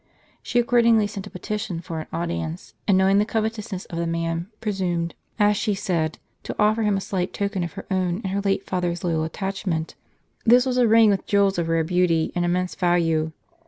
She accordingly sent a petition for an audience ; and knowing the covetousness of the man, presumed, as she said, to offer him a slight token of her own and her late father's loyal attachment. This was a ring with jewels of rare beauty, and immense value.